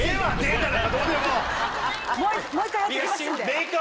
もう一回やってきますんで。